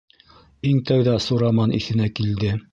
Иң тәүҙә Сураман иҫенә килде.